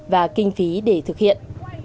và kinh phí để thực hiện